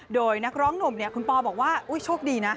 โดยนักร้องหนุ่มคุณปอบอกว่าโอ๊ยโชคดีนะ